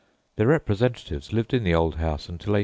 Their representatives lived in the old house until 1850.